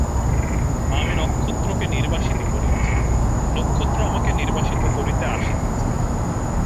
আমি নক্ষত্রকে নির্বাসিত করিয়াছি, নক্ষত্র আমাকে নির্বাসিত করিতে আসিতেছে।